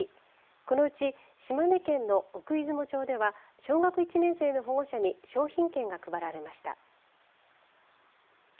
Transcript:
このうち島根県の奥出雲町では小学１年生の保護者に商品券が配られました。